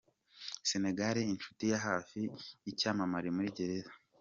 Senegale Inshuti ya hafi y’icyamamare muri gereza